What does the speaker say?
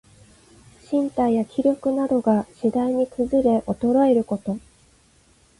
身体や気力などが、しだいにくずれおとろえること。